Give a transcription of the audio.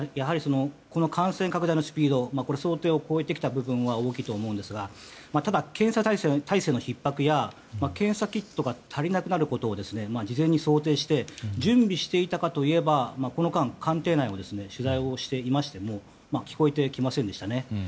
感染拡大のスピード想定を超えてきた部分が大きいと思うんですがただ検査体制のひっ迫や検査キットが足りなくなることを事前に想定して準備していたかといえばこの間、官邸内の取材をしていましても聞こえてきませんでした。